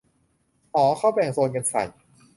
อ้อ เขาแบ่งโซนกันใส่